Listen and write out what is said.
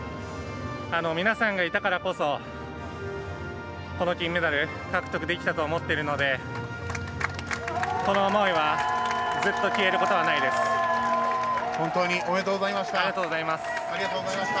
皆さんがいたからこそこの金メダルを獲得できたと思っているのでこの思いは本当におめでとうございました。